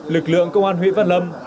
lực lượng công an huyện văn lâm